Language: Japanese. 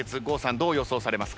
どう予想されますか？